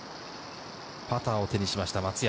パターを手にしました、松山。